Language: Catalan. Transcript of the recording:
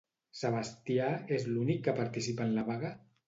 Sebastià és l'únic que participa en la vaga?